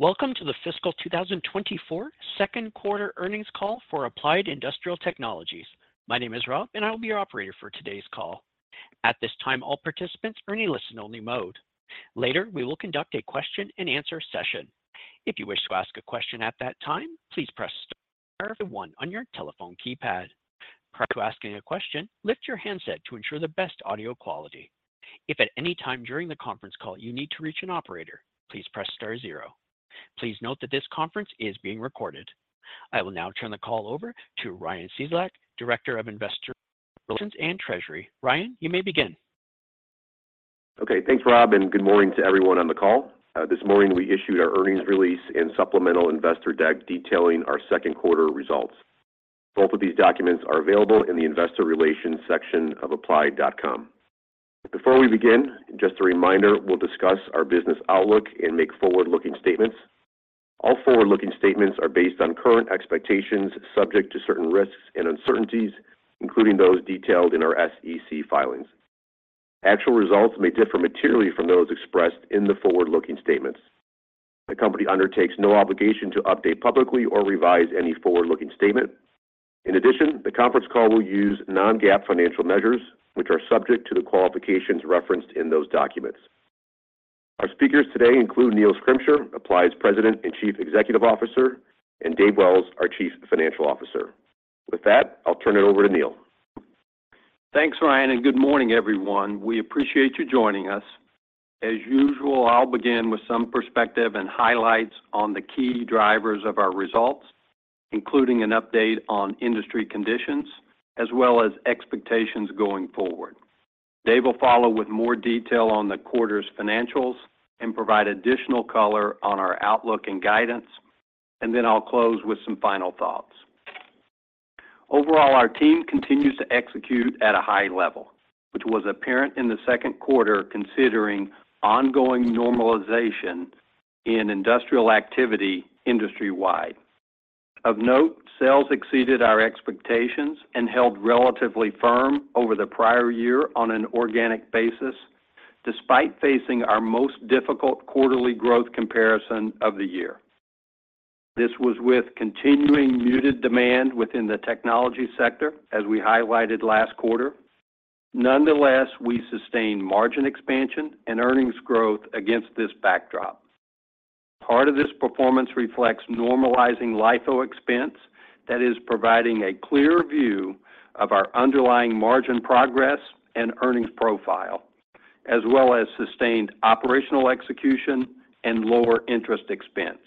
Welcome to the fiscal 2024 second quarter earnings call for Applied Industrial Technologies. My name is Rob, and I will be your operator for today's call. At this time, all participants are in a listen-only mode. Later, we will conduct a question-and-answer session. If you wish to ask a question at that time, please press star one on your telephone keypad. Prior to asking a question, lift your handset to ensure the best audio quality. If at any time during the conference call you need to reach an operator, please press star zero. Please note that this conference is being recorded. I will now turn the call over to Ryan Cieslak, Director of Investor Relations and Treasury. Ryan, you may begin. Okay, thanks, Rob, and good morning to everyone on the call. This morning, we issued our earnings release and supplemental investor deck detailing our second quarter results. Both of these documents are available in the Investor Relations section of applied.com. Before we begin, just a reminder, we'll discuss our business outlook and make forward-looking statements. All forward-looking statements are based on current expectations, subject to certain risks and uncertainties, including those detailed in our SEC filings. Actual results may differ materially from those expressed in the forward-looking statements. The company undertakes no obligation to update publicly or revise any forward-looking statement. In addition, the conference call will use non-GAAP financial measures, which are subject to the qualifications referenced in those documents. Our speakers today include Neil Schrimsher, Applied's President and Chief Executive Officer, and Dave Wells, our Chief Financial Officer. With that, I'll turn it over to Neil. Thanks, Ryan, and good morning, everyone. We appreciate you joining us. As usual, I'll begin with some perspective and highlights on the key drivers of our results, including an update on industry conditions as well as expectations going forward. Dave will follow with more detail on the quarter's financials and provide additional color on our outlook and guidance, and then I'll close with some final thoughts. Overall, our team continues to execute at a high level, which was apparent in the second quarter, considering ongoing normalization in industrial activity industry-wide. Of note, sales exceeded our expectations and held relatively firm over the prior year on an organic basis, despite facing our most difficult quarterly growth comparison of the year. This was with continuing muted demand within the technology sector, as we highlighted last quarter. Nonetheless, we sustained margin expansion and earnings growth against this backdrop. Part of this performance reflects normalizing LIFO expense that is providing a clear view of our underlying margin progress and earnings profile, as well as sustained operational execution and lower interest expense.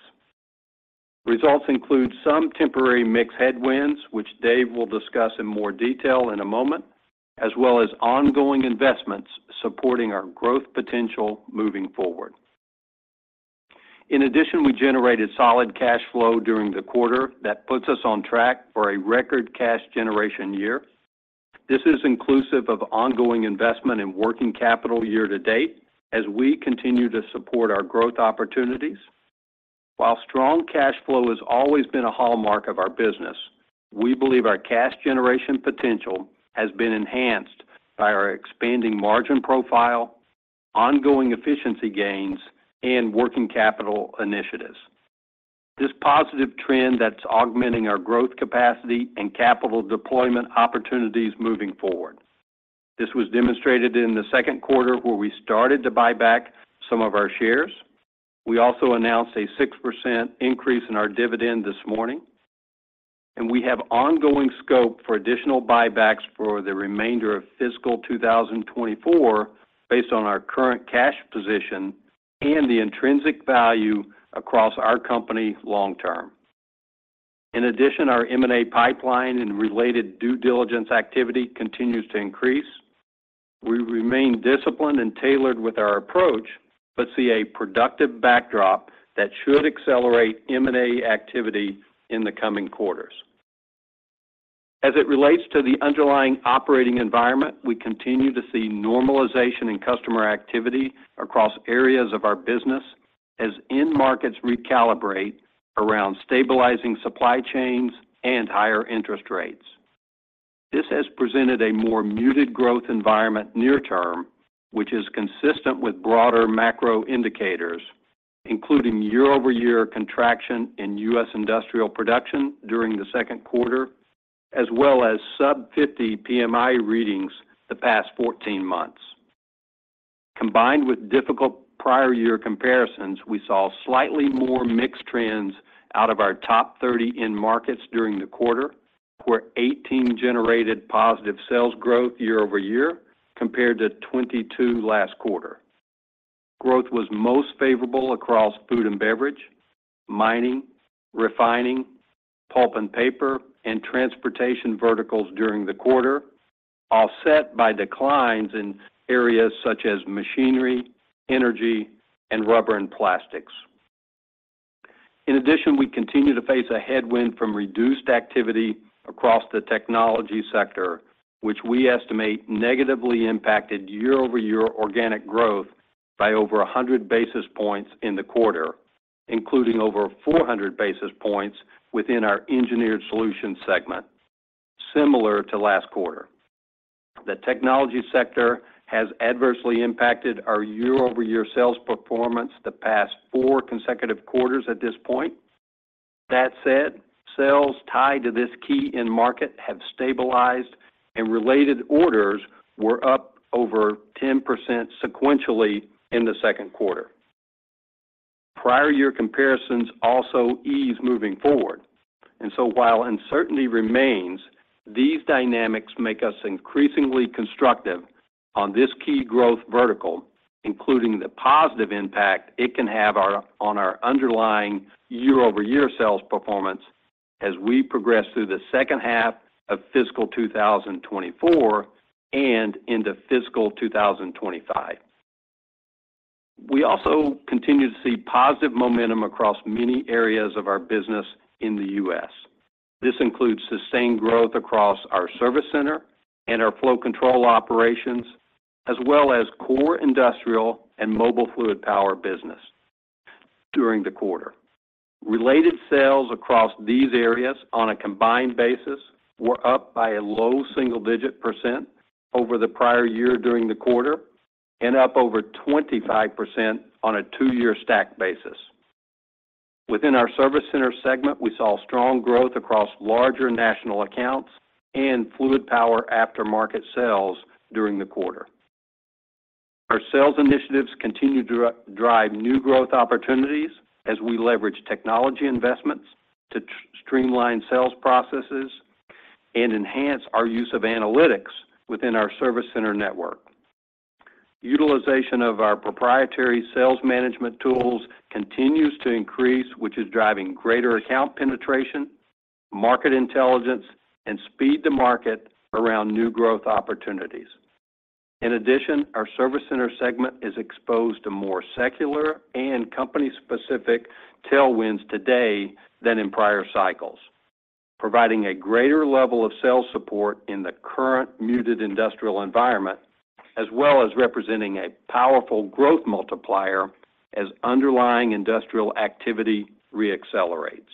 Results include some temporary mix headwinds, which Dave will discuss in more detail in a moment, as well as ongoing investments supporting our growth potential moving forward. In addition, we generated solid cash flow during the quarter that puts us on track for a record cash generation year. This is inclusive of ongoing investment in working capital year to date as we continue to support our growth opportunities. While strong cash flow has always been a hallmark of our business, we believe our cash generation potential has been enhanced by our expanding margin profile, ongoing efficiency gains, and working capital initiatives. This positive trend that's augmenting our growth capacity and capital deployment opportunities moving forward. This was demonstrated in the second quarter, where we started to buy back some of our shares. We also announced a 6% increase in our dividend this morning, and we have ongoing scope for additional buybacks for the remainder of fiscal 2024, based on our current cash position and the intrinsic value across our company long term. In addition, our M&A pipeline and related due diligence activity continues to increase. We remain disciplined and tailored with our approach but see a productive backdrop that should accelerate M&A activity in the coming quarters. As it relates to the underlying operating environment, we continue to see normalization in customer activity across areas of our business as end markets recalibrate around stabilizing supply chains and higher interest rates. This has presented a more muted growth environment near term, which is consistent with broader macro indicators, including year-over-year contraction in U.S. industrial production during the second quarter, as well as sub-50 PMI readings the past 14 months. Combined with difficult prior year comparisons, we saw slightly more mixed trends out of our top 30 end markets during the quarter, where 18 generated positive sales growth year-over-year compared to 22 last quarter. Growth was most favorable across food and beverage, mining, refining, pulp and paper, and transportation verticals during the quarter, offset by declines in areas such as machinery, energy, and rubber and plastics. In addition, we continue to face a headwind from reduced activity across the technology sector, which we estimate negatively impacted year-over-year organic growth by over 100 basis points in the quarter, including over 400 basis points within our Engineered Solutions segment, similar to last quarter. The technology sector has adversely impacted our year-over-year sales performance the past four consecutive quarters at this point. That said, sales tied to this key end market have stabilized, and related orders were up over 10% sequentially in the second quarter. Prior year comparisons also ease moving forward, and so while uncertainty remains, these dynamics make us increasingly constructive on this key growth vertical, including the positive impact it can have on our underlying year-over-year sales performance as we progress through the second half of fiscal 2024 and into fiscal 2025. We also continue to see positive momentum across many areas of our business in the U.S. This includes sustained growth across our Service Center and our flow control operations, as well as core industrial and mobile fluid power business during the quarter. Related sales across these areas on a combined basis were up by a low single-digit % over the prior year during the quarter and up over 25% on a two-year stack basis. Within our Service Center segment, we saw strong growth across larger national accounts and fluid power aftermarket sales during the quarter. Our sales initiatives continue to drive new growth opportunities as we leverage technology investments to streamline sales processes and enhance our use of analytics within our Service Center network. Utilization of our proprietary sales management tools continues to increase, which is driving greater account penetration, market intelligence, and speed to market around new growth opportunities. In addition, our Service Center segment is exposed to more secular and company-specific tailwinds today than in prior cycles, providing a greater level of sales support in the current muted industrial environment, as well as representing a powerful growth multiplier as underlying industrial activity re-accelerates.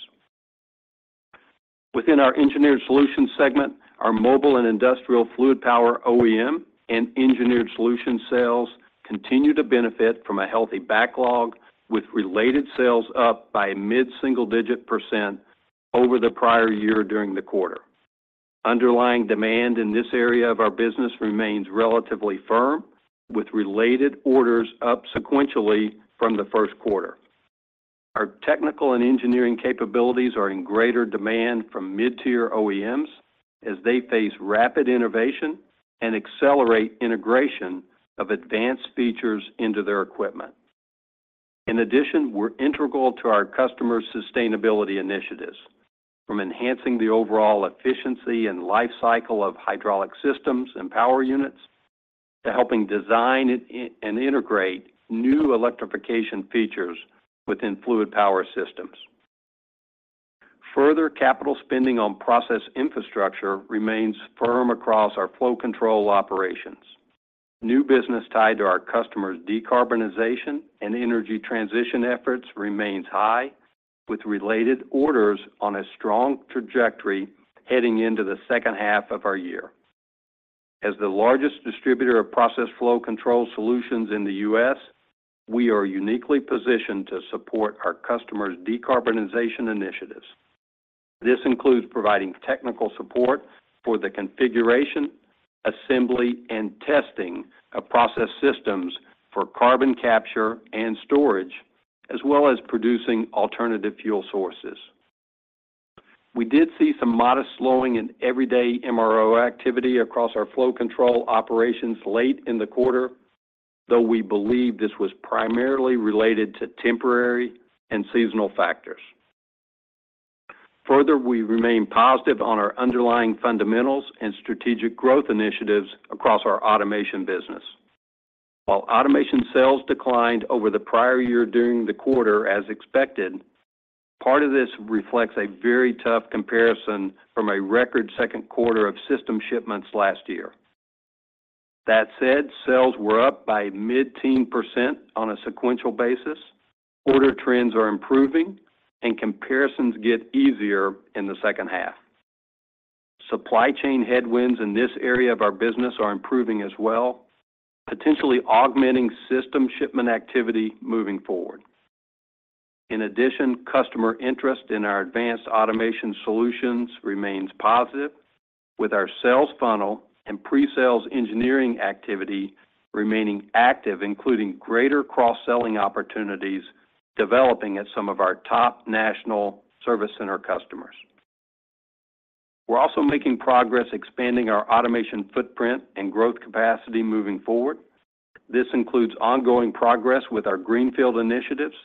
Within our Engineered Solutions segment, our mobile and industrial fluid power OEM and engineered solution sales continue to benefit from a healthy backlog, with related sales up by a mid-single-digit % over the prior year during the quarter. Underlying demand in this area of our business remains relatively firm, with related orders up sequentially from the first quarter. Our technical and engineering capabilities are in greater demand from mid-tier OEMs as they face rapid innovation and accelerate integration of advanced features into their equipment. In addition, we're integral to our customers' sustainability initiatives, from enhancing the overall efficiency and life cycle of hydraulic systems and power units, to helping design and integrate new electrification features within fluid power systems. Further, capital spending on process infrastructure remains firm across our flow control operations. New business tied to our customers' decarbonization and energy transition efforts remains high, with related orders on a strong trajectory heading into the second half of our year. As the largest distributor of process flow control solutions in the U.S., we are uniquely positioned to support our customers' decarbonization initiatives. This includes providing technical support for the configuration, assembly, and testing of process systems for carbon capture and storage, as well as producing alternative fuel sources. We did see some modest slowing in everyday MRO activity across our flow control operations late in the quarter, though we believe this was primarily related to temporary and seasonal factors. Further, we remain positive on our underlying fundamentals and strategic growth initiatives across our automation business. While automation sales declined over the prior year during the quarter as expected, part of this reflects a very tough comparison from a record second quarter of system shipments last year. That said, sales were up by mid-teen% on a sequential basis. Order trends are improving and comparisons get easier in the second half. Supply chain headwinds in this area of our business are improving as well, potentially augmenting system shipment activity moving forward. In addition, customer interest in our advanced automation solutions remains positive, with our sales funnel and pre-sales engineering activity remaining active, including greater cross-selling opportunities developing at some of our top national service center customers. We're also making progress expanding our automation footprint and growth capacity moving forward. This includes ongoing progress with our greenfield initiatives,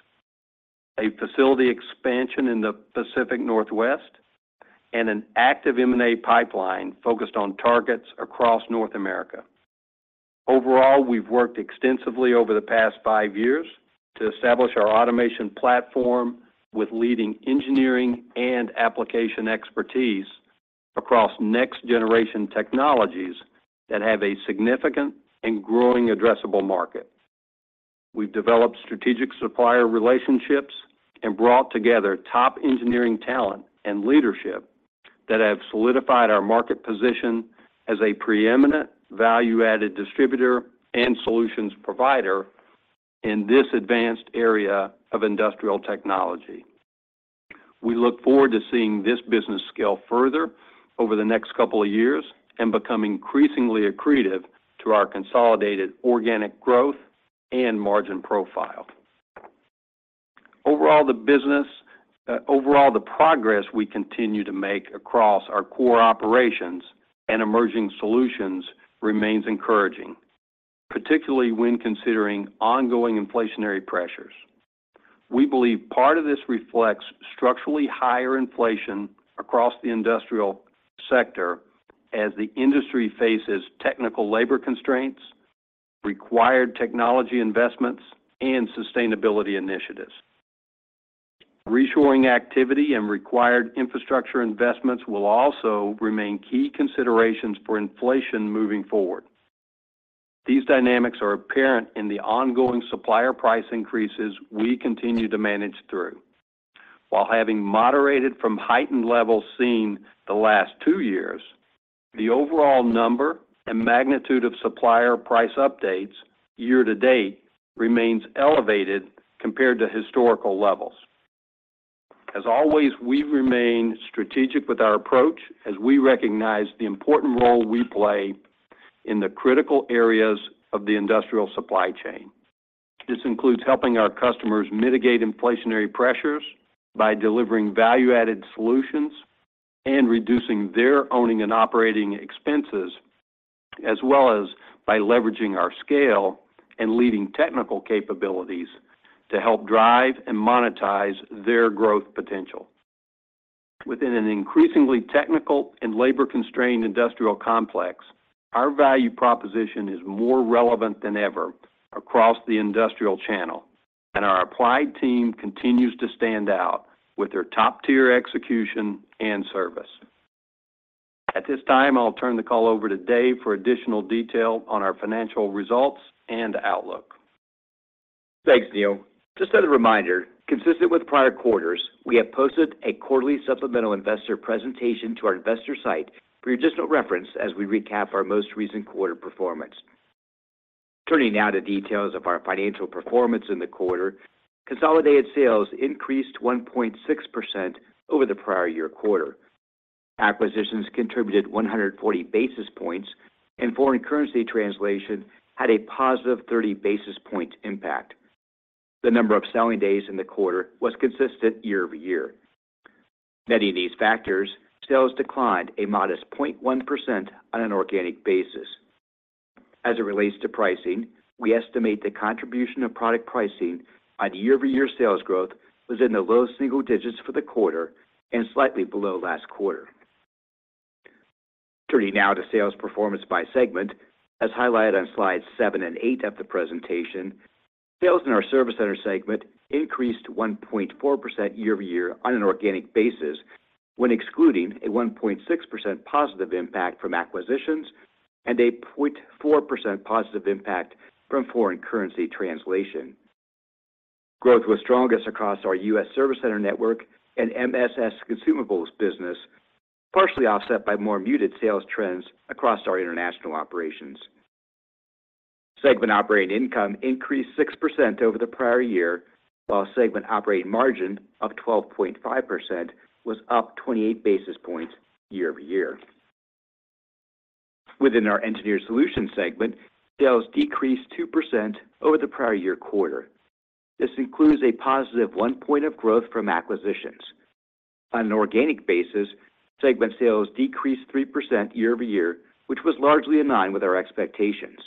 a facility expansion in the Pacific Northwest, and an active M&A pipeline focused on targets across North America. Overall, we've worked extensively over the past five years to establish our automation platform with leading engineering and application expertise across next-generation technologies that have a significant and growing addressable market.... We've developed strategic supplier relationships and brought together top engineering talent and leadership that have solidified our market position as a preeminent value-added distributor and solutions provider in this advanced area of industrial technology. We look forward to seeing this business scale further over the next couple of years and become increasingly accretive to our consolidated organic growth and margin profile. Overall, the business, overall, the progress we continue to make across our core operations and emerging solutions remains encouraging, particularly when considering ongoing inflationary pressures. We believe part of this reflects structurally higher inflation across the industrial sector as the industry faces technical labor constraints, required technology investments, and sustainability initiatives. Reshoring activity and required infrastructure investments will also remain key considerations for inflation moving forward. These dynamics are apparent in the ongoing supplier price increases we continue to manage through. While having moderated from heightened levels seen the last two years, the overall number and magnitude of supplier price updates year to date remains elevated compared to historical levels. As always, we remain strategic with our approach as we recognize the important role we play in the critical areas of the industrial supply chain. This includes helping our customers mitigate inflationary pressures by delivering value-added solutions and reducing their owning and operating expenses, as well as by leveraging our scale and leading technical capabilities to help drive and monetize their growth potential. Within an increasingly technical and labor-constrained industrial complex, our value proposition is more relevant than ever across the industrial channel, and our Applied team continues to stand out with their top-tier execution and service. At this time, I'll turn the call over to Dave for additional detail on our financial results and outlook. Thanks, Neil. Just as a reminder, consistent with prior quarters, we have posted a quarterly supplemental investor presentation to our investor site for your additional reference as we recap our most recent quarter performance. Turning now to details of our financial performance in the quarter, consolidated sales increased 1.6% over the prior year quarter. Acquisitions contributed 140 basis points, and foreign currency translation had a positive 30 basis point impact. The number of selling days in the quarter was consistent year-over-year. Netting these factors, sales declined a modest 0.1% on an organic basis. As it relates to pricing, we estimate the contribution of product pricing on year-over-year sales growth was in the low single digits for the quarter and slightly below last quarter. Turning now to sales performance by segment. As highlighted on slides 7 and 8 of the presentation, sales in our Service Center segment increased 1.4% year-over-year on an organic basis, when excluding a 1.6% positive impact from acquisitions and a 0.4% positive impact from foreign currency translation. Growth was strongest across our U.S. Service Center network and MSS consumables business, partially offset by more muted sales trends across our international operations. Segment operating income increased 6% over the prior year, while segment operating margin of 12.5% was up 28 basis points year-over-year. Within our Engineered Solutions segment, sales decreased 2% over the prior year quarter. This includes a positive 1 point of growth from acquisitions. On an organic basis, segment sales decreased 3% year-over-year, which was largely in line with our expectations.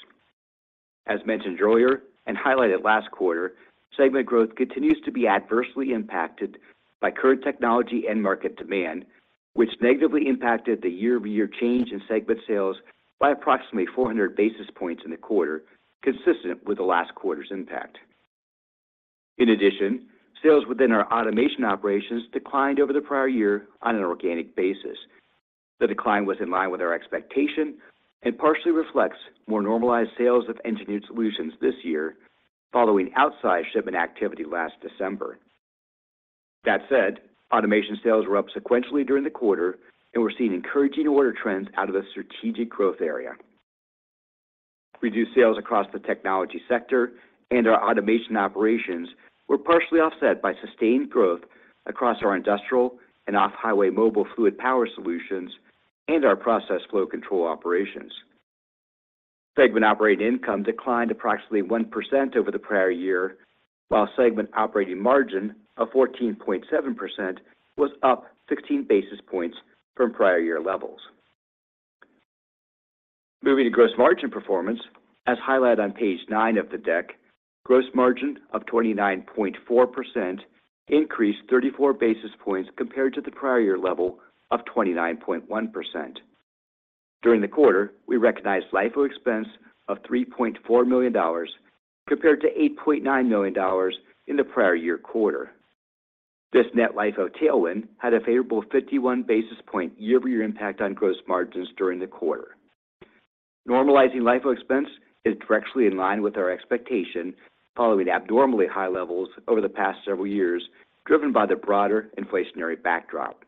As mentioned earlier and highlighted last quarter, segment growth continues to be adversely impacted by current technology and market demand, which negatively impacted the year-over-year change in segment sales by approximately 400 basis points in the quarter, consistent with the last quarter's impact. In addition, sales within our automation operations declined over the prior year on an organic basis. The decline was in line with our expectation and partially reflects more normalized sales of engineered solutions this year following outsized shipment activity last December. That said, automation sales were up sequentially during the quarter, and we're seeing encouraging order trends out of a strategic growth area. Reduced sales across the technology sector and our automation operations were partially offset by sustained growth across our industrial and off-highway mobile fluid power solutions and our process flow control operations. Segment operating income declined approximately 1% over the prior year, while segment operating margin of 14.7% was up 16 basis points from prior year levels. Moving to gross margin performance, as highlighted on page 9 of the deck, gross margin of 29.4% increased 34 basis points compared to the prior year level of 29.1%. During the quarter, we recognized LIFO expense of $3.4 million, compared to $8.9 million in the prior year quarter. This net LIFO tailwind had a favorable 51 basis point year-over-year impact on gross margins during the quarter. Normalizing LIFO expense is directly in line with our expectation, following abnormally high levels over the past several years, driven by the broader inflationary backdrop.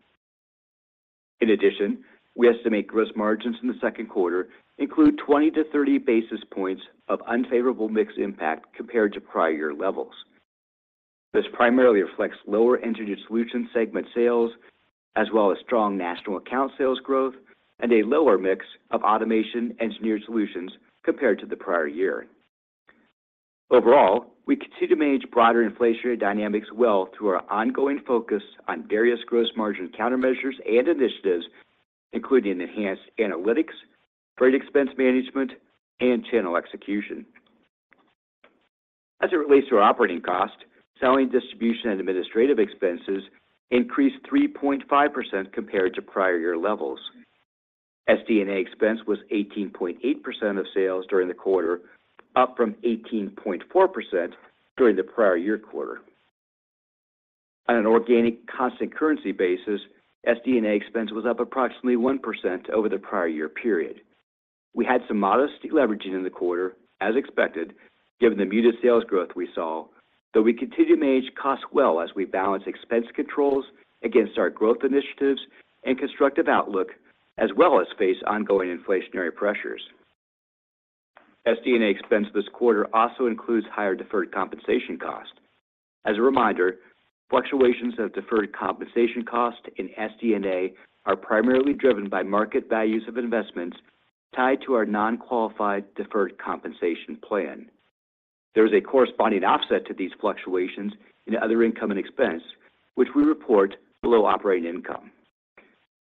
In addition, we estimate gross margins in the second quarter include 20 to 30 basis points of unfavorable mix impact compared to prior year levels. This primarily reflects lower Engineered Solutions segment sales, as well as strong national account sales growth and a lower mix of automation engineered solutions compared to the prior year. Overall, we continue to manage broader inflationary dynamics well through our ongoing focus on various gross margin countermeasures and initiatives, including enhanced analytics, freight expense management, and channel execution. As it relates to our operating cost, selling, distribution, and administrative expenses increased 3.5% compared to prior year levels. SD&A expense was 18.8% of sales during the quarter, up from 18.4% during the prior year quarter. On an organic constant currency basis, SD&A expense was up approximately 1% over the prior year period. We had some modest deleveraging in the quarter, as expected, given the muted sales growth we saw, though we continue to manage costs well as we balance expense controls against our growth initiatives and constructive outlook, as well as face ongoing inflationary pressures. SD&A expense this quarter also includes higher deferred compensation costs. As a reminder, fluctuations of deferred compensation cost in SD&A are primarily driven by market values of investments tied to our non-qualified deferred compensation plan. There is a corresponding offset to these fluctuations in other income and expense, which we report below operating income.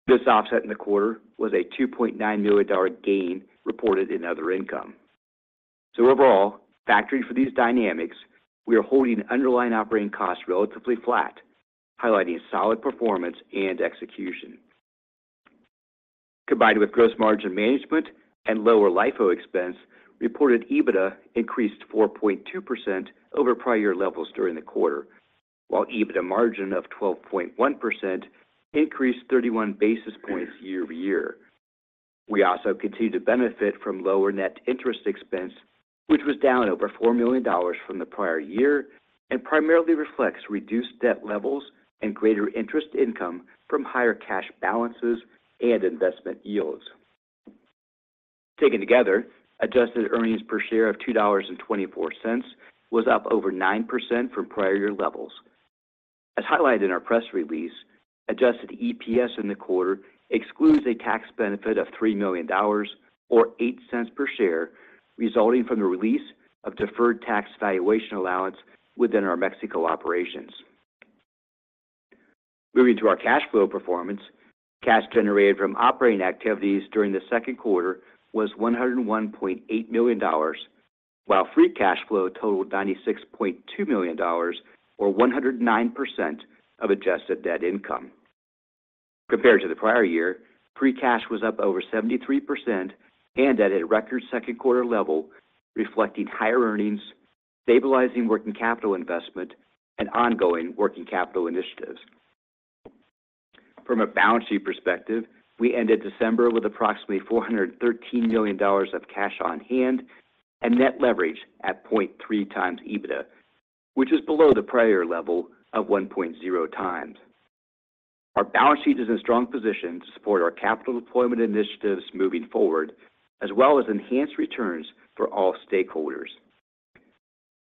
This offset in the quarter was a $2.9 million gain reported in other income. So overall, factoring for these dynamics, we are holding underlying operating costs relatively flat, highlighting solid performance and execution. Combined with gross margin management and lower LIFO expense, reported EBITDA increased 4.2% over prior year levels during the quarter, while EBITDA margin of 12.1% increased 31 basis points year-over-year. We also continue to benefit from lower net interest expense, which was down over $4 million from the prior year and primarily reflects reduced debt levels and greater interest income from higher cash balances and investment yields. Taken together, adjusted earnings per share of $2.24 was up over 9% from prior year levels. As highlighted in our press release, adjusted EPS in the quarter excludes a tax benefit of $3 million or $0.08 per share, resulting from the release of deferred tax valuation allowance within our Mexico operations. Moving to our cash flow performance, cash generated from operating activities during the second quarter was $101.8 million, while free cash flow totaled $96.2 million or 109% of adjusted net income. Compared to the prior year, free cash was up over 73% and at a record second quarter level, reflecting higher earnings, stabilizing working capital investment, and ongoing working capital initiatives. From a balance sheet perspective, we ended December with approximately $413 million of cash on hand and net leverage at 0.3x EBITDA, which is below the prior level of 1.0x. Our balance sheet is in a strong position to support our capital deployment initiatives moving forward, as well as enhance returns for all stakeholders.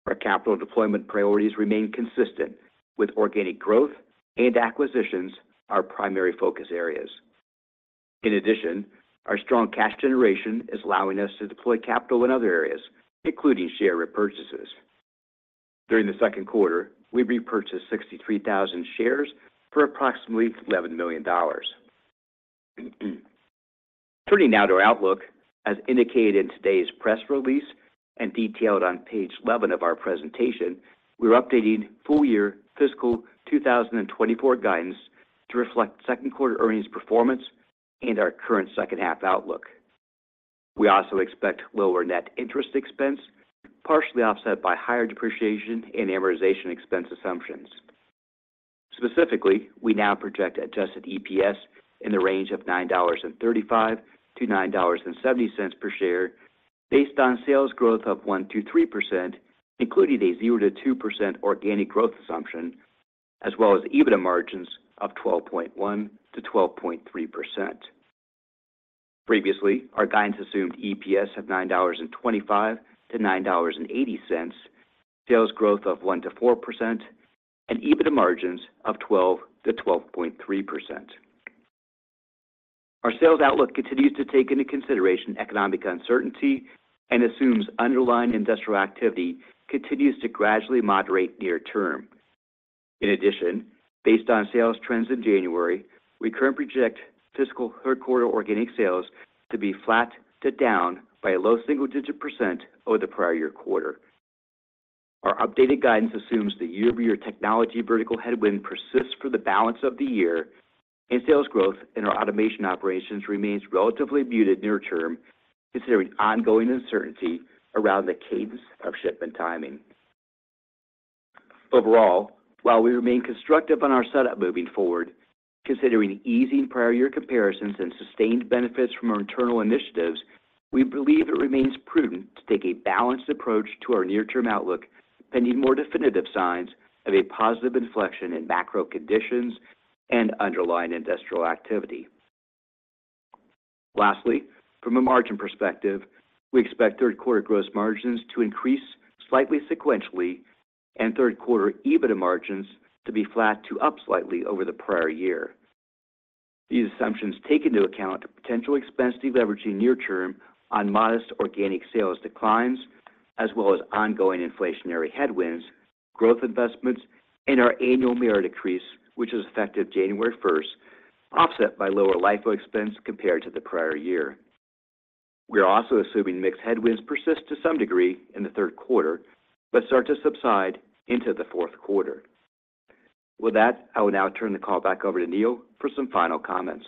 Our capital deployment priorities remain consistent with organic growth and acquisitions, our primary focus areas. In addition, our strong cash generation is allowing us to deploy capital in other areas, including share repurchases. During the second quarter, we repurchased 63,000 shares for approximately $11 million. Turning now to our outlook, as indicated in today's press release and detailed on page 11 of our presentation, we are updating full year fiscal 2024 guidance to reflect second quarter earnings performance and our current second half outlook. We also expect lower net interest expense, partially offset by higher depreciation and amortization expense assumptions. Specifically, we now project adjusted EPS in the range of $9.35 to $9.70 per share, based on sales growth of 1% to 3%, including a 0% to 2% organic growth assumption, as well as EBITDA margins of 12.1% to 12.3%. Previously, our guidance assumed EPS of $9.25 to $9.80, sales growth of 1% to 4%, and EBITDA margins of 12% to 12.3%. Our sales outlook continues to take into consideration economic uncertainty and assumes underlying industrial activity continues to gradually moderate near term. In addition, based on sales trends in January, we currently project fiscal third quarter organic sales to be flat to down by a low single-digit % over the prior year quarter. Our updated guidance assumes the year-over-year technology vertical headwind persists for the balance of the year, and sales growth in our automation operations remains relatively muted near term, considering ongoing uncertainty around the cadence of shipment timing. Overall, while we remain constructive on our setup moving forward, considering easing prior year comparisons and sustained benefits from our internal initiatives, we believe it remains prudent to take a balanced approach to our near-term outlook, pending more definitive signs of a positive inflection in macro conditions and underlying industrial activity. Lastly, from a margin perspective, we expect third quarter gross margins to increase slightly sequentially and third quarter EBITDA margins to be flat to up slightly over the prior year. These assumptions take into account the potential expense deleveraging near term on modest organic sales declines, as well as ongoing inflationary headwinds, growth investments, and our annual merit increase, which was effective January first, offset by lower LIFO expense compared to the prior year. We are also assuming mixed headwinds persist to some degree in the third quarter, but start to subside into the fourth quarter. With that, I will now turn the call back over to Neil for some final comments.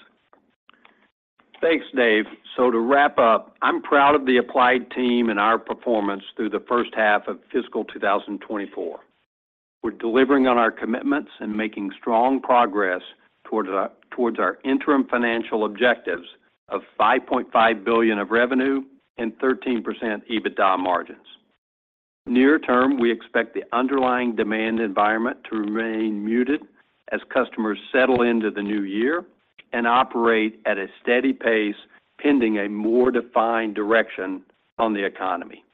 Thanks, Dave. So to wrap up, I'm proud of the Applied team and our performance through the first half of fiscal 2024. We're delivering on our commitments and making strong progress towards our, towards our interim financial objectives of $5.5 billion of revenue and 13% EBITDA margins. Near term, we expect the underlying demand environment to remain muted as customers settle into the new year and operate at a steady pace, pending a more defined direction on the economy.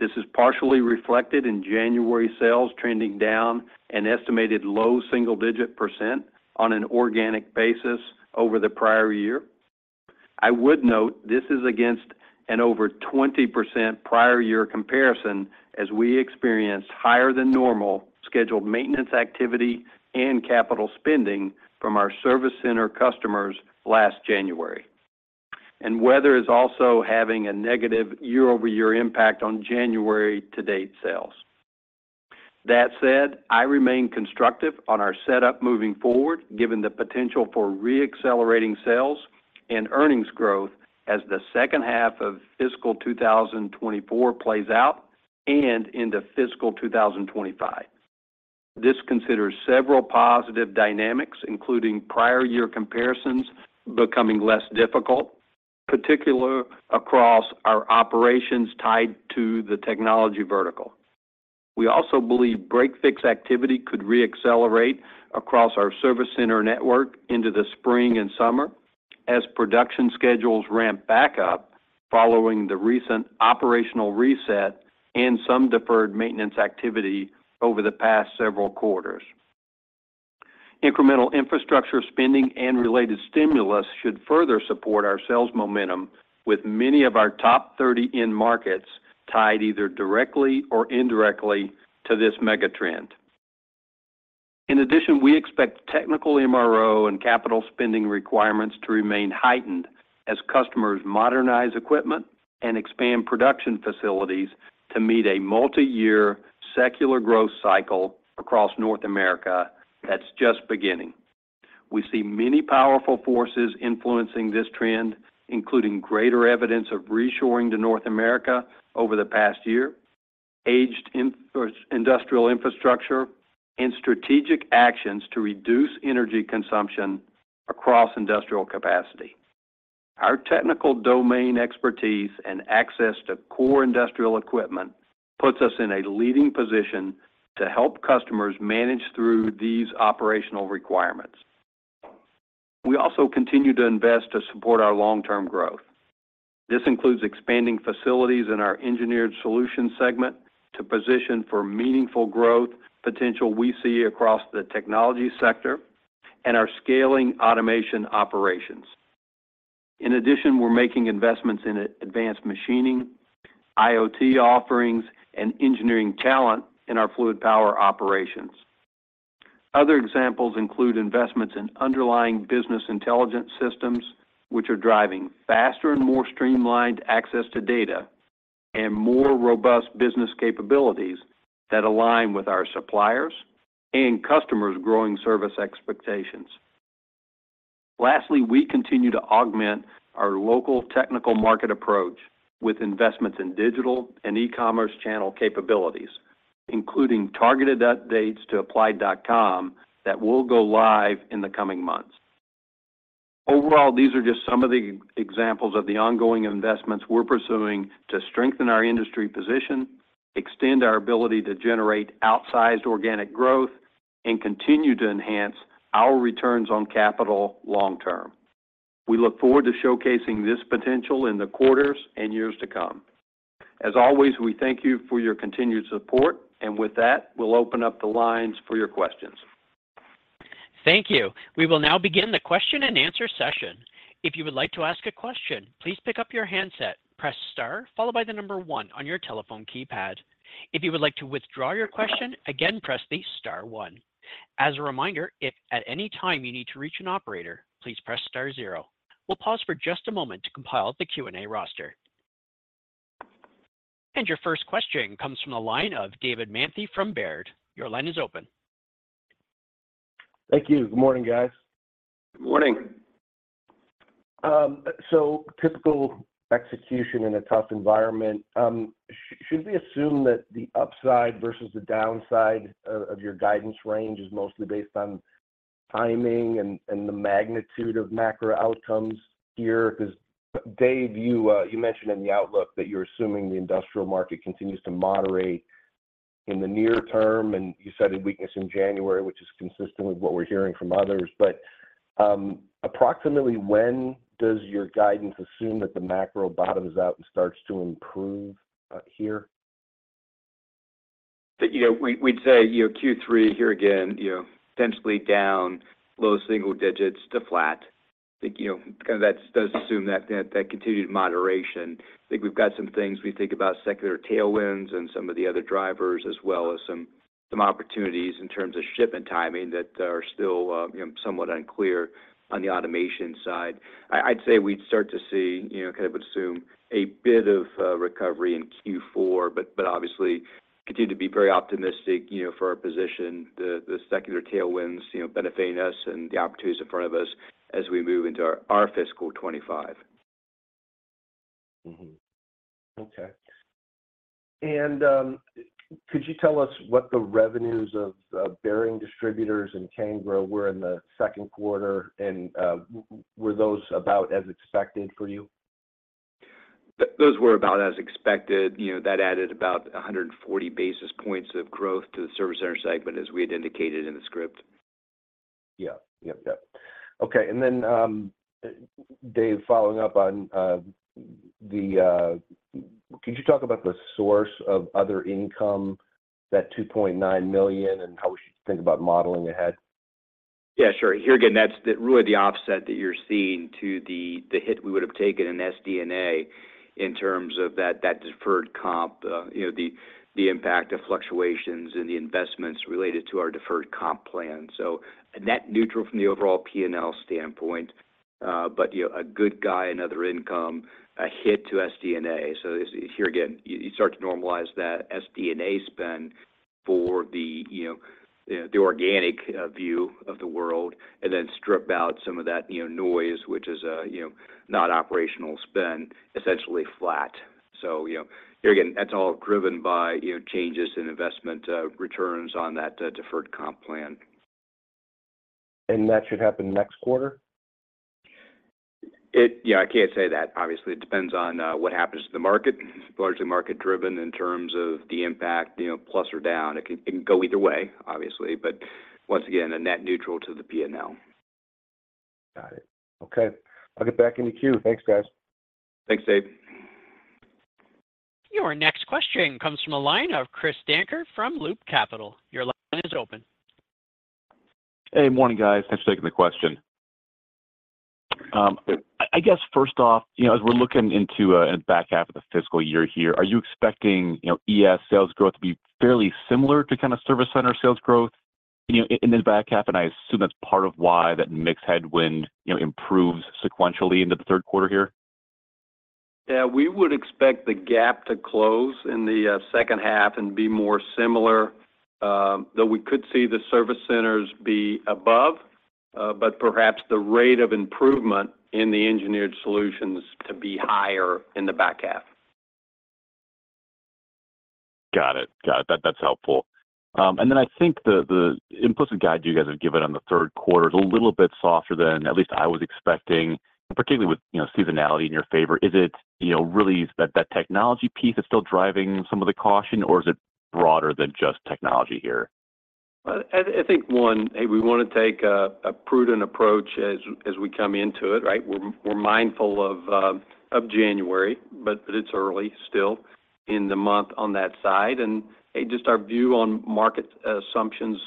This is partially reflected in January sales trending down an estimated low single-digit % on an organic basis over the prior year. I would note this is against an over 20% prior year comparison, as we experienced higher-than-normal scheduled maintenance activity and capital spending from our service center customers last January. And weather is also having a negative year-over-year impact on January-to-date sales. That said, I remain constructive on our setup moving forward, given the potential for re-accelerating sales and earnings growth as the second half of fiscal 2024 plays out and into fiscal 2025. This considers several positive dynamics, including prior year comparisons becoming less difficult, particular across our operations tied to the technology vertical. We also believe break-fix activity could re-accelerate across our Service Center network into the spring and summer as production schedules ramp back up following the recent operational reset and some deferred maintenance activity over the past several quarters. Incremental infrastructure spending and related stimulus should further support our sales momentum with many of our top 30 end markets tied either directly or indirectly to this mega trend. In addition, we expect technical MRO and capital spending requirements to remain heightened as customers modernize equipment and expand production facilities to meet a multi-year secular growth cycle across North America that's just beginning. We see many powerful forces influencing this trend, including greater evidence of reshoring to North America over the past year, aged industrial infrastructure, and strategic actions to reduce energy consumption across industrial capacity. Our technical domain expertise and access to core industrial equipment puts us in a leading position to help customers manage through these operational requirements. We also continue to invest to support our long-term growth. This includes expanding facilities in our Engineered Solutions segment to position for meaningful growth potential we see across the technology sector and our scaling automation operations. In addition, we're making investments in advanced machining, IoT offerings, and engineering talent in our fluid power operations. Other examples include investments in underlying business intelligence systems, which are driving faster and more streamlined access to data and more robust business capabilities that align with our suppliers' and customers' growing service expectations. Lastly, we continue to augment our local technical market approach with investments in digital and e-commerce channel capabilities, including targeted updates to applied.com that will go live in the coming months. Overall, these are just some of the examples of the ongoing investments we're pursuing to strengthen our industry position, extend our ability to generate outsized organic growth, and continue to enhance our returns on capital long term. We look forward to showcasing this potential in the quarters and years to come. As always, we thank you for your continued support, and with that, we'll open up the lines for your questions. Thank you. We will now begin the question-and-answer session. If you would like to ask a question, please pick up your handset, press star followed by the number one on your telephone keypad. If you would like to withdraw your question, again, press the star one. As a reminder, if at any time you need to reach an operator, please press star zero. We'll pause for just a moment to compile the Q&A roster.... Your first question comes from the line of David Manthey from Baird. Your line is open. Thank you. Good morning, guys. Good morning. So typical execution in a tough environment. Should we assume that the upside versus the downside of your guidance range is mostly based on timing and the magnitude of macro outcomes here? Because Dave, you mentioned in the outlook that you're assuming the industrial market continues to moderate in the near term, and you cited weakness in January, which is consistent with what we're hearing from others. But approximately when does your guidance assume that the macro bottoms out and starts to improve here? That, you know, we, we'd say, you know, Q3 here again, you know, potentially down low single digits to flat. I think, you know, kind of that does assume that continued moderation. I think we've got some things we think about secular tailwinds and some of the other drivers, as well as some opportunities in terms of shipment timing that are still, you know, somewhat unclear on the automation side. I'd say we'd start to see, you know, kind of assume a bit of recovery in Q4, but obviously continue to be very optimistic, you know, for our position. The secular tailwinds, you know, benefiting us and the opportunities in front of us as we move into our fiscal 25. Mm-hmm. Okay. And, could you tell us what the revenues of Bearing Distributors and Cangro were in the second quarter, and, were those about as expected for you? Those were about as expected. You know, that added about 140 basis points of growth to the Service Center segment, as we had indicated in the script. Yeah. Yep, yep. Okay, and then, Dave, following up on the... Could you talk about the source of other income, that $2.9 million, and how we should think about modeling ahead? Yeah, sure. Here again, that's really the offset that you're seeing to the hit we would have taken in SD&A in terms of that deferred comp, you know, the impact of fluctuations in the investments related to our deferred comp plan. So net neutral from the overall P&L standpoint, but, you know, a good guy in other income, a hit to SD&A. So here again, you start to normalize that SD&A spend for the, you know, the organic view of the world, and then strip out some of that, you know, noise, which is, you know, not operational spend, essentially flat. So, you know, here again, that's all driven by, you know, changes in investment returns on that deferred comp plan. That should happen next quarter? Yeah, I can't say that. Obviously, it depends on what happens to the market. Largely market driven in terms of the impact, you know, plus or down. It can, it can go either way, obviously, but once again, a net neutral to the P&L. Got it. Okay. I'll get back in the queue. Thanks, guys. Thanks, Dave. Your next question comes from the line of Chris Dankert from Loop Capital. Your line is open. Hey, morning, guys. Thanks for taking the question. I guess first off, you know, as we're looking into the back half of the fiscal year here, are you expecting, you know, ES sales growth to be fairly similar to kind of Service Center sales growth, you know, in this back half? And I assume that's part of why that mix headwind, you know, improves sequentially into the third quarter here. Yeah, we would expect the gap to close in the second half and be more similar, though we could see the Service Centers be above, but perhaps the rate of improvement in the Engineered Solutions to be higher in the back half. Got it. Got it. That's helpful. And then I think the implicit guide you guys have given on the third quarter is a little bit softer than at least I was expecting, particularly with, you know, seasonality in your favor. Is it, you know, really that technology piece is still driving some of the caution, or is it broader than just technology here? I think we want to take a prudent approach as we come into it, right? We're mindful of January, but it's early still in the month on that side. Hey, just our view on market assumptions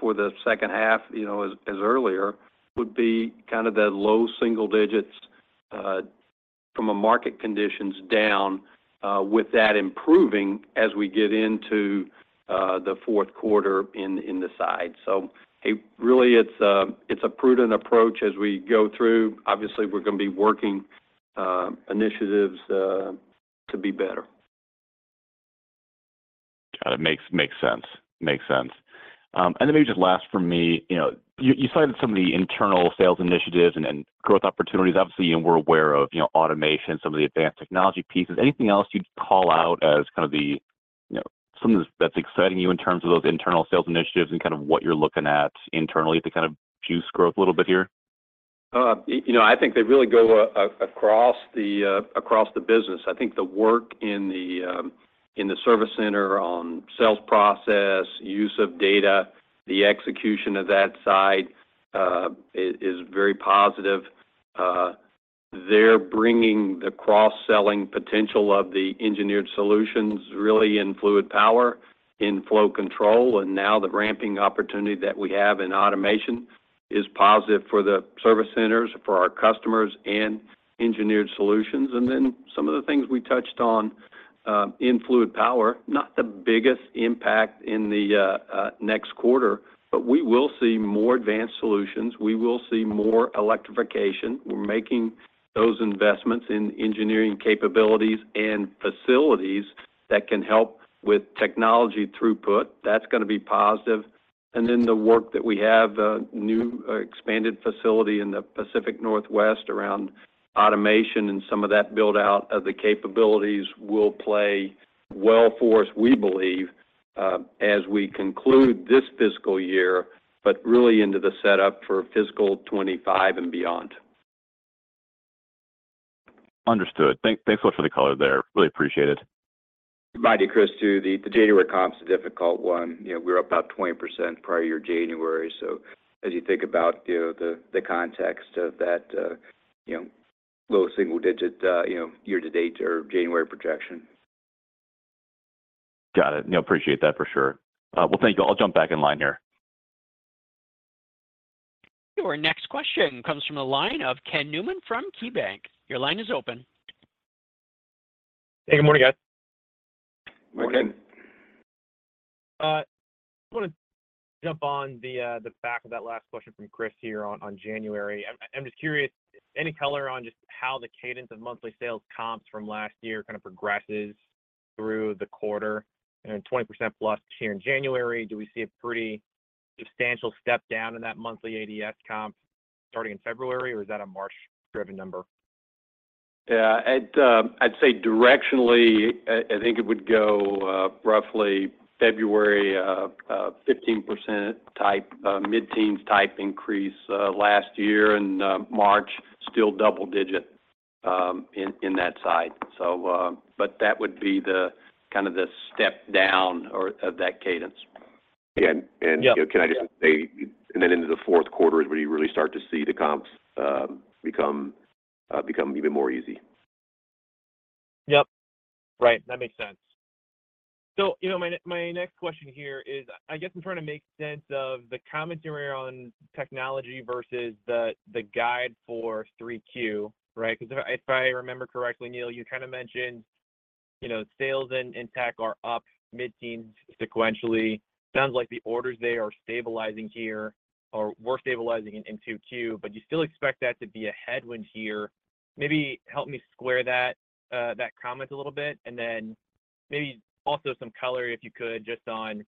for the second half, you know, as earlier, would be kind of the low single digits from a market conditions down with that improving as we get into the fourth quarter in the side. Hey, really, it's a prudent approach as we go through. Obviously, we're going to be working initiatives to be better. Got it. Makes sense. And then maybe just last for me, you know, you cited some of the internal sales initiatives and growth opportunities. Obviously, you know, we're aware of, you know, automation, some of the advanced technology pieces. Anything else you'd call out as kind of the, you know, something that's exciting you in terms of those internal sales initiatives and kind of what you're looking at internally to kind of juice growth a little bit here? You know, I think they really go across the business. I think the work in the Service Center on sales process, use of data, the execution of that side is very positive. They're bringing the cross-selling potential of the Engineered Solutions, really in fluid power, in flow control, and now the ramping opportunity that we have in automation is positive for the service centers, for our customers, and Engineered Solutions. And then some of the things we touched on in fluid power, not the biggest impact in the next quarter, but we will see more advanced solutions. We will see more electrification. We're making those investments in engineering capabilities and facilities that can help with technology throughput. That's gonna be positive. And then the work that we have, the new expanded facility in the Pacific Northwest around automation and some of that build-out of the capabilities will play well for us, we believe, as we conclude this fiscal year, but really into the setup for fiscal 2025 and beyond. Understood. Thanks, thanks a lot for the color there. Really appreciate it. Mind you, Chris, too, the January comp's a difficult one. You know, we're up about 20% prior year January. So as you think about, you know, the context of that, you know, low single digit, you know, year-to-date or January projection. Got it. Yeah, appreciate that for sure. Well, thank you. I'll jump back in line here. Our next question comes from the line of Ken Newman from KeyBanc. Your line is open. Hey, good morning, guys. Morning. Good morning. I wanna jump on the back of that last question from Chris here on January. I'm just curious, any color on just how the cadence of monthly sales comps from last year kind of progresses through the quarter? I know 20%+ here in January, do we see a pretty substantial step down in that monthly ADS comp starting in February, or is that a March-driven number? Yeah, it... I'd say directionally, I think it would go roughly February 15% type, mid-teens type increase last year, and March still double digit in that side. So, but that would be the kind of the step down or of that cadence. And, and- Yeah. Can I just say, and then into the fourth quarter is where you really start to see the comps become even more easy. Yep. Right. That makes sense. So, you know, my next question here is, I guess I'm trying to make sense of the commentary on technology versus the, the guide for three Q, right? 'Cause if I, if I remember correctly, Neil, you kind of mentioned, you know, sales and tech are up mid-teens sequentially. Sounds like the orders there are stabilizing here or were stabilizing in, in two Q, but you still expect that to be a headwind here. Maybe help me square that, that comment a little bit, and then maybe also some color, if you could, just on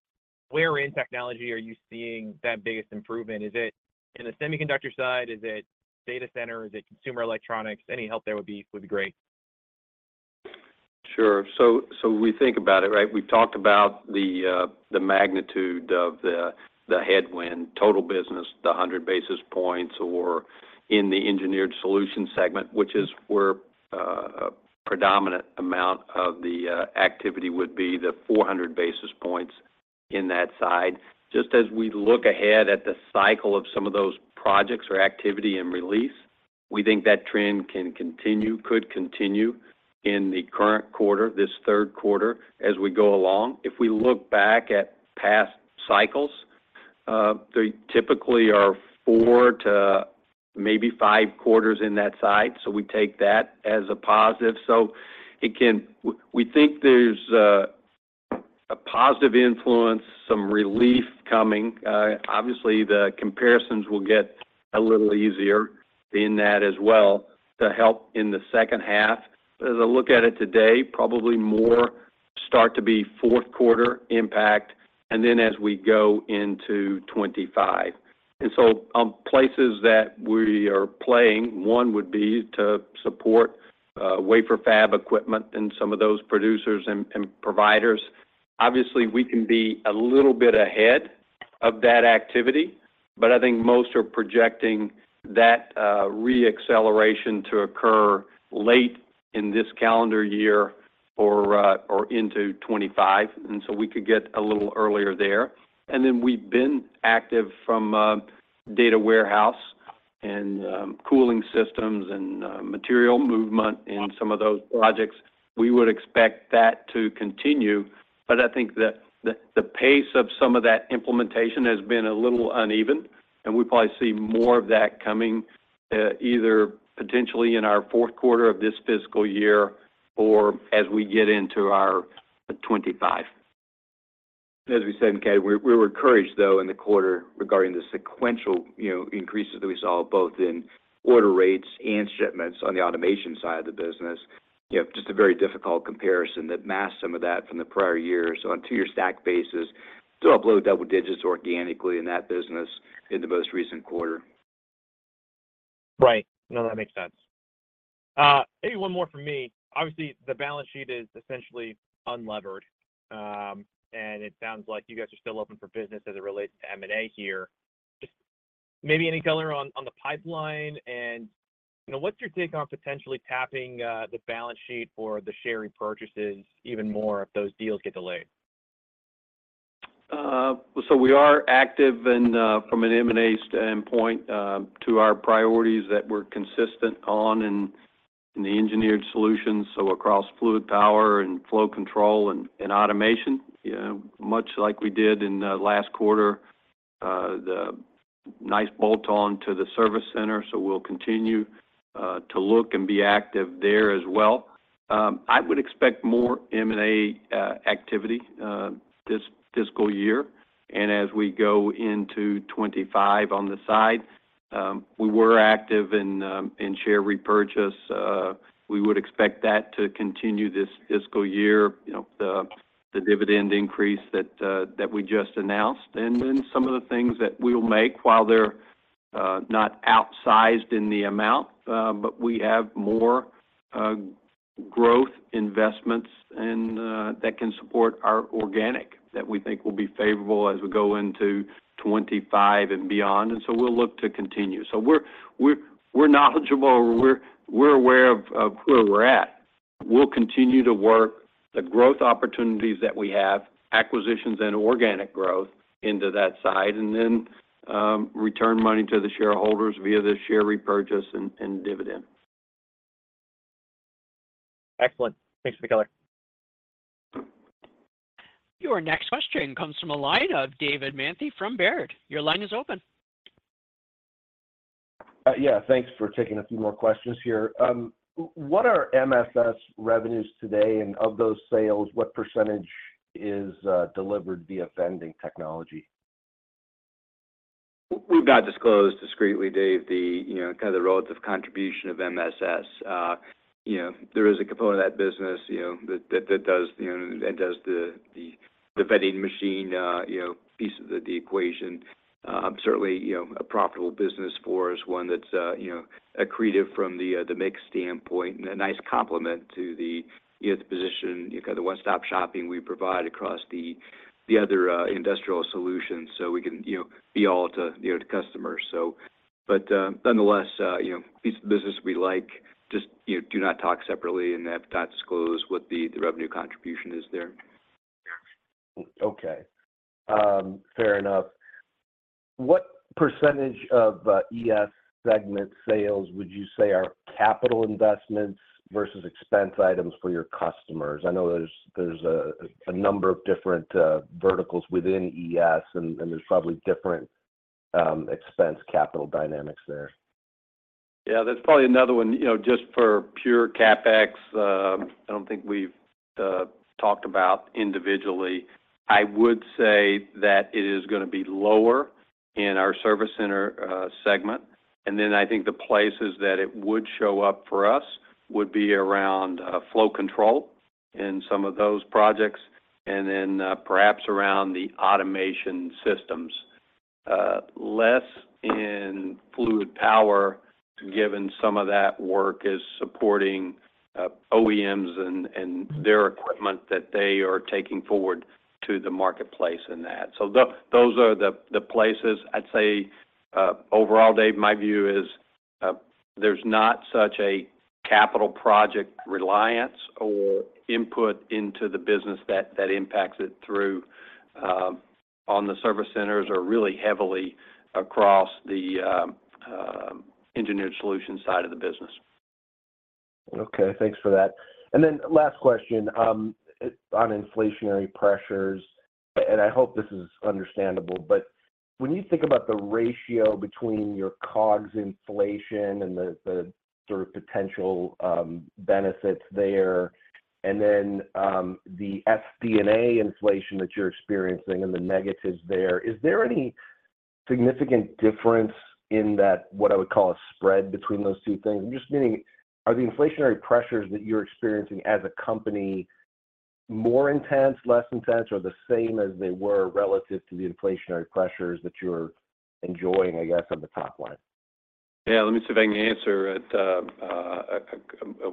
where in technology are you seeing that biggest improvement? Is it in the semiconductor side? Is it data center? Is it consumer electronics? Any help there would be, would be great. Sure. So we think about it, right? We've talked about the magnitude of the headwind, total business, the 100 basis points, or in the Engineered Solutions segment, which is where a predominant amount of the activity would be, the 400 basis points in that side. Just as we look ahead at the cycle of some of those projects or activity and release, we think that trend can continue, could continue in the current quarter, this third quarter, as we go along. If we look back at past cycles, they typically are 4 to maybe 5 quarters in that side, so we take that as a positive. So it can... We think there's a positive influence, some relief coming. Obviously, the comparisons will get a little easier in that as well, to help in the second half. As I look at it today, probably more start to be fourth quarter impact, and then as we go into 2025. So, places that we are playing, one would be to support wafer fab equipment and some of those producers and providers. Obviously, we can be a little bit ahead of that activity, but I think most are projecting that re-acceleration to occur late in this calendar year or into 2025, and so we could get a little earlier there. And then we've been active from data warehouse and cooling systems and material movement in some of those projects. We would expect that to continue, but I think that the pace of some of that implementation has been a little uneven, and we probably see more of that coming, either potentially in our fourth quarter of this fiscal year or as we get into our 2025. As we said, okay, we're encouraged, though, in the quarter regarding the sequential, you know, increases that we saw, both in order rates and shipments on the automation side of the business. You know, just a very difficult comparison that masked some of that from the prior year. So on a two-year stack basis, still up low double digits organically in that business in the most recent quarter. Right. No, that makes sense. Maybe one more from me. Obviously, the balance sheet is essentially unlevered, and it sounds like you guys are still open for business as it relates to M&A here. Just maybe any color on the pipeline and, you know, what's your take on potentially tapping the balance sheet for the share repurchases even more if those deals get delayed? So we are active and, from an M&A standpoint, to our priorities that we're consistent on in the Engineered Solutions, so across fluid power and flow control and automation. You know, much like we did in the last quarter, the nice bolt-on to the Service Center, so we'll continue to look and be active there as well. I would expect more M&A activity this fiscal year and as we go into 2025 on the side. We were active in share repurchase. We would expect that to continue this fiscal year, you know, the dividend increase that we just announced. And then some of the things that we'll make, while they're not outsized in the amount, but we have more growth investments and that can support our organic, that we think will be favorable as we go into 2025 and beyond. And so we'll look to continue. So we're knowledgeable, we're aware of where we're at. We'll continue to work the growth opportunities that we have, acquisitions and organic growth into that side, and then return money to the shareholders via the share repurchase and dividend. Excellent. Thanks for the color. Your next question comes from a line of David Manthey from Baird. Your line is open. Yeah, thanks for taking a few more questions here. What are MSS revenues today? And of those sales, what percentage is delivered via vending technology? We've not disclosed discreetly, Dave, you know, kind of the relative contribution of MSS. You know, there is a component of that business, you know, that does the vending machine, you know, piece of the equation. Certainly, you know, a profitable business for us, one that's, you know, accretive from the mix standpoint, and a nice complement to the position, you know, the one-stop shopping we provide across the other industrial solutions. So we can, you know, be all to, you know, to customers. So, but, nonetheless, you know, piece of business we like, just, you know, do not talk separately and have not disclosed what the revenue contribution is there. Okay. Fair enough. What percentage of ES segment sales would you say are capital investments versus expense items for your customers? I know there's a number of different verticals within ES, and there's probably different expense capital dynamics there. Yeah, that's probably another one, you know, just for pure CapEx. I don't think we've talked about individually. I would say that it is gonna be lower in our Service Center segment. And then I think the places that it would show up for us would be around flow control in some of those projects, and then perhaps around the automation systems. Less in fluid power, given some of that work is supporting OEMs and their equipment that they are taking forward to the marketplace in that. So those are the places I'd say overall, Dave. My view is there's not such a capital project reliance or input into the business that impacts it through on the service centers or really heavily across the Engineered Solutions side of the business. Okay. Thanks for that. And then last question, on inflationary pressures, and I hope this is understandable, but when you think about the ratio between your COGS inflation and the sort of potential benefits there, and then the SD&A inflation that you're experiencing and the negatives there, is there any significant difference in that, what I would call a spread between those two things? I'm just meaning, are the inflationary pressures that you're experiencing as a company more intense, less intense, or the same as they were relative to the inflationary pressures that you're enjoying, I guess, on the top line? Yeah, let me see if I can answer it,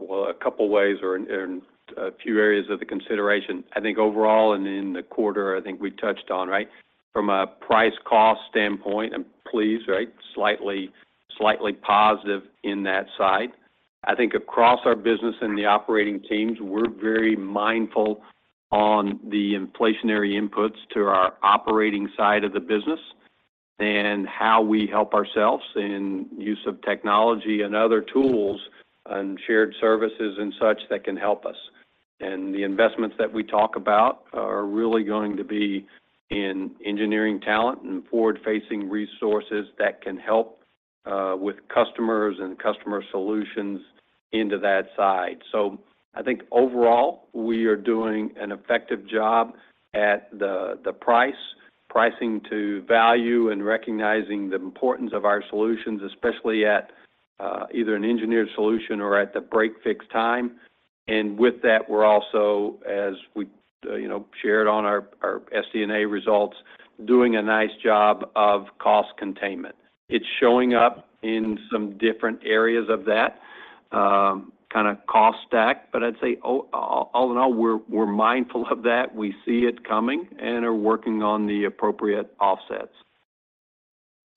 well, a couple of ways or in a few areas of the consideration. I think overall and in the quarter, I think we touched on, right? From a price-cost standpoint, I'm pleased, right? Slightly, slightly positive in that side. I think across our business and the operating teams, we're very mindful on the inflationary inputs to our operating side of the business, and how we help ourselves in use of technology and other tools and shared services and such that can help us. And the investments that we talk about are really going to be in engineering talent and forward-facing resources that can help with customers and customer solutions into that side. So I think overall, we are doing an effective job at the, the price, pricing to value, and recognizing the importance of our solutions, especially at, either an engineered solution or at the break-fix time. And with that, we're also, as we, you know, shared on our, our SD&A results, doing a nice job of cost containment. It's showing up in some different areas of that, kind of cost stack, but I'd say all in all, we're, we're mindful of that. We see it coming and are working on the appropriate offsets.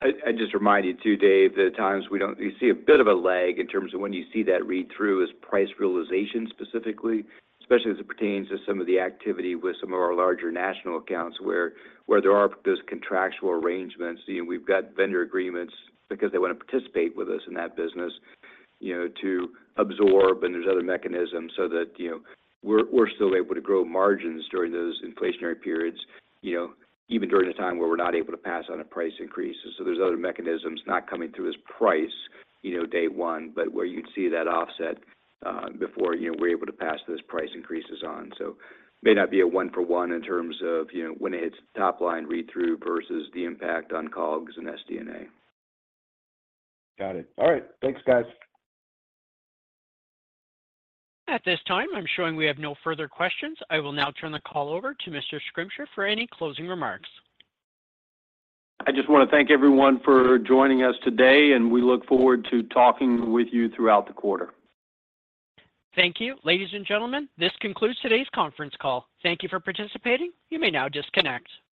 I just remind you, too, Dave, that at times we don't, you see a bit of a lag in terms of when you see that read-through is price realization specifically, especially as it pertains to some of the activity with some of our larger national accounts, where there are those contractual arrangements. You know, we've got vendor agreements because they want to participate with us in that business, you know, to absorb, and there's other mechanisms so that, you know, we're still able to grow margins during those inflationary periods, you know, even during a time where we're not able to pass on a price increase. So there's other mechanisms not coming through as price, you know, day one, but where you'd see that offset before, you know, we're able to pass those price increases on. So may not be a one for one in terms of, you know, when it hits top line read-through versus the impact on COGS and SD&A. Got it. All right. Thanks, guys. At this time, I'm showing we have no further questions. I will now turn the call over to Mr. Schrimsher for any closing remarks. I just want to thank everyone for joining us today, and we look forward to talking with you throughout the quarter. Thank you. Ladies and gentlemen, this concludes today's conference call. Thank you for participating. You may now disconnect.